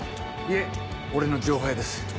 いえ俺の情報屋です。